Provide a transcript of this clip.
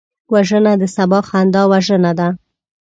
وژنه د سبا خندا وژنه ده